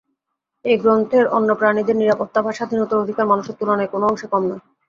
এই গ্রহের অন্য প্রাণীদের নিরাপত্তা বা স্বাধীনতার অধিকার মানুষের তুলনায় কোনো অংশে কম নয়।